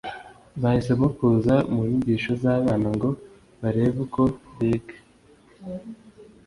Bahisemo kuza mu nyigisho z’abana ngo barebe uko biga